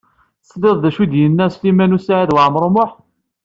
Tesliḍ d acu i d-yenna Sliman U Saɛid Waɛmaṛ U Muḥ?